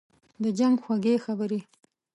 « د جنګ خوږې خبري